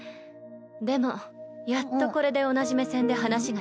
でもやっとこれで同じ目線で話ができるよ。